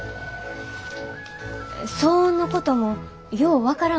騒音のこともよう分からん